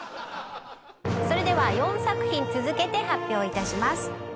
それでは４作品続けて発表いたします。